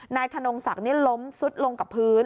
ธนงศักดิ์ล้มซุดลงกับพื้น